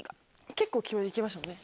結構いきましたもんね